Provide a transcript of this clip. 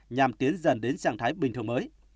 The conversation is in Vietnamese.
nhằm tiến dần đến trạng thái bình thường mới